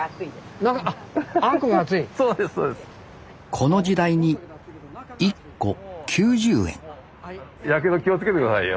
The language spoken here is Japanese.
この時代に１個９０円やけど気をつけて下さいよ。